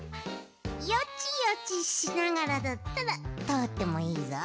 ヨチヨチしながらだったらとおってもいいぞ。